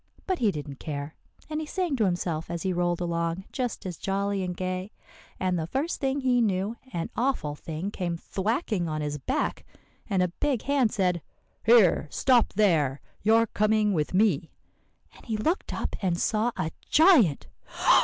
But he didn't care, and he sang to himself as he rolled along just as jolly and gay; and the first thing he knew, an awful thing came thwacking on his back, and a big hand said, 'Here, stop there! you're coming with me.' And he looked up and saw a giant."